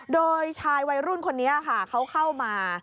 โดยชายวัยรุ่นคนนี้ค่ะเขาเข้ามา